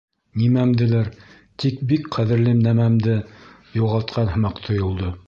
Нимәмделер, тик бик ҡәҙерле нәмәмде, юғалтҡан һымаҡ тойолдо.